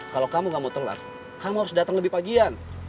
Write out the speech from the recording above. kalau kamu gak mau telat kamu harus datang lebih pagian